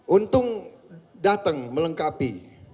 untung datang melengkapi